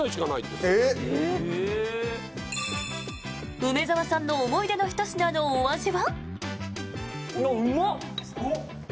梅沢さんの思い出のひと品のお味は？